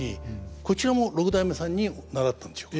こちらも六代目さんに習ったんでしょうか？